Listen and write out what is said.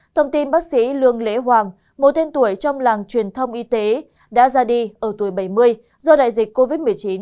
thông tin bác sĩ lương lễ hoàng một then tuổi trong làng truyền thông y tế đã ra đi ở tuổi bảy mươi do đại dịch covid một mươi chín